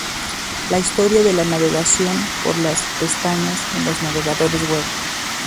La historia de la navegación por pestañas en los navegadores web